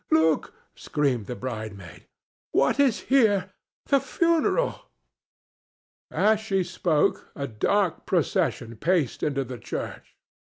look!" screamed the bridemaid. "What is here? The funeral!" As she spoke a dark procession paced into the church.